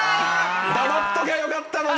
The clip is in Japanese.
黙っときゃよかったのに。